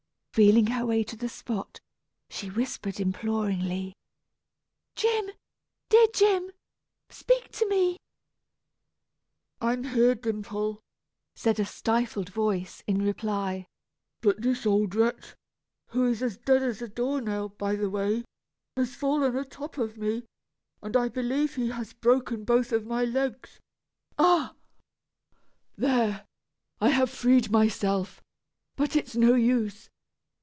Feeling her way to the spot, she whispered imploringly, "Jim, dear Jim, speak to me!" "I'm here, Dimple," said a stifled voice, in reply; "but this old wretch (who is as dead as a door nail, by the way), has fallen atop of me, and I believe he has broken both of my legs. Ha! there, I have freed myself, but it's no use.